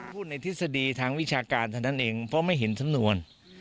พูดในทฤษฎีทางวิชาการเท่านั้นเองเพราะไม่เห็นสำนวน